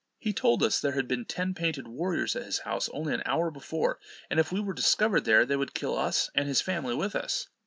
He told us there had been ten painted warriors at his house only an hour before, and if we were discovered there, they would kill us, and his family with us.